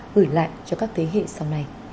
gửi lại cho các thế hệ sau này